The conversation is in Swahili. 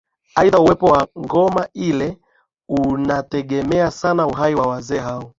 Aidha uwepo wa ngoma ile unategemea sana uhai wa wazee hao